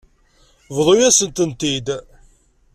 Bḍu-yasen-tent-id.